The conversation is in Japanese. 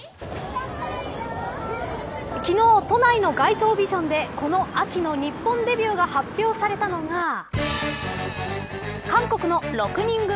昨日、都内の街頭ビジョンでこの秋の日本デビューが発表されたのが韓国の６人組